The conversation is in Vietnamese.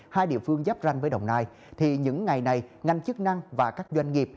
hai địa phương giáp ranh với đồng nai thì những ngày này ngành chức năng và các doanh nghiệp